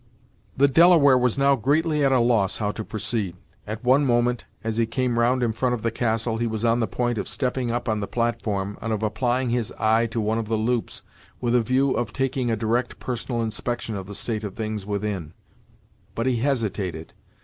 The Delaware was now greatly at a loss how to proceed. At one moment, as he came round in front of the castle, he was on the point of stepping up on the platform and of applying his eye to one of the loops, with a view of taking a direct personal inspection of the state of things within; but he hesitated.